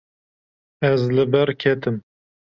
Ez li ber ketim.